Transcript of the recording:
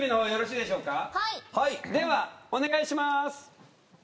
では、お願いします。